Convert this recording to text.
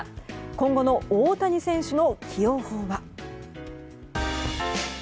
今後の大谷選手の起用法は？